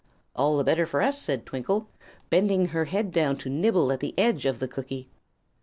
"All the better for us," said Twinkle, bending her head down to nibble at the edge of the cookie.